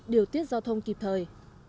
đều tiết giao thông kịp thời